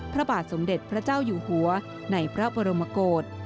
พระบาทสมเด็จพระเจ้าอยู่หัวในพระบรมโกศ